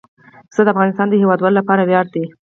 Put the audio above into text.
پسه د افغانستان د هیوادوالو لپاره ویاړ دی.